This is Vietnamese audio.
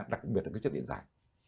đặc biệt là chất điện giải